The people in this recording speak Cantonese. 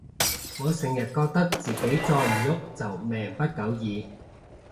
我成日覺得自己再唔郁就命不久矣